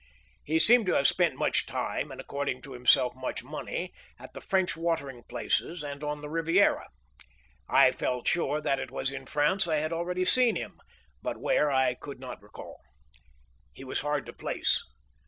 He seemed to have spent much time, and according to himself much money, at the French watering places and on the Riviera. I felt sure that it was in France I had already seen him, but where I could not recall. He was hard to place.